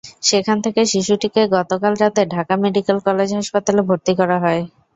সেখান থেকে শিশুটিকে গতকাল রাতে ঢাকা মেডিকেল কলেজ হাসপাতালে ভর্তি করা হয়।